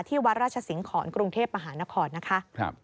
วัดราชสิงหอนกรุงเทพมหานครนะคะ